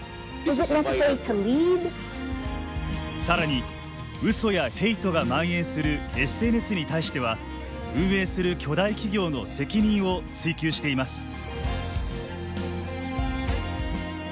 さらに、うそやヘイトがまん延するＳＮＳに対しては運営する巨大企業の責任を追及しています。